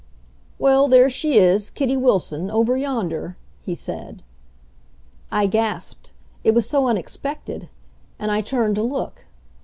"Well there she is, Kitty Wilson, over yonder," he said. I gasped, it was so unexpected. And I turned to look.